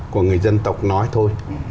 của người dân tộc nói